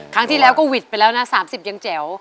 ไปแล้วก็หวิดไปแล้วนะ๓๐เยี่ยมแจ๋ว